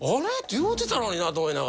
言うてたのになと思いながら。